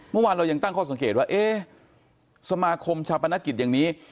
เมื่อวานเรายังตั้งข้อสังเกตว่าเอ๊ะสมาคมชาปนกิจอย่างนี้